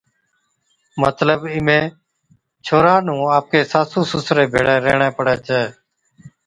مطلب ايمَھين ڇوھَرا نُون آپڪي ساسُو سُسري ڀيڙي ريھڻي پَڙي ڇَي